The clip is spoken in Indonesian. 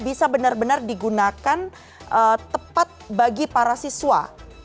bisa benar benar digunakan tepat bagi para siswa